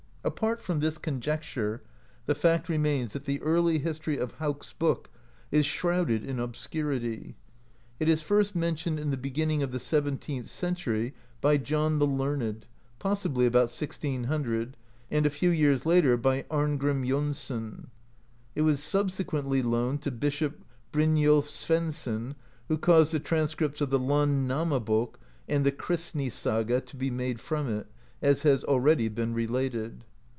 Apart from this conjecture, the fact remains that the early history of Hauk's Book is shrouded in obscurity. It is first mentioned in the beginning of the seventeenth century by John the Learned, possibly about 1600, and a few years later by Amgrim Jonsson ; it was subsequently loaned to Bishop Bryniolf Sveinsson, who caused the transcripts of the Landnamabok and the Kristni Saga to be made from it, as has already been related.